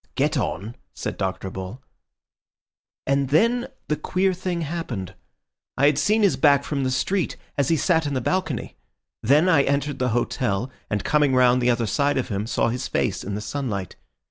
"Get on," said Dr. Bull. "And then the queer thing happened. I had seen his back from the street, as he sat in the balcony. Then I entered the hotel, and coming round the other side of him, saw his face in the sunlight.